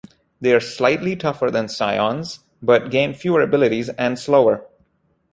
They are slightly tougher than psions, but gain fewer abilities and slower.